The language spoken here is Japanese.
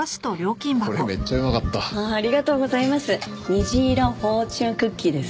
虹色フォーチュンクッキーです。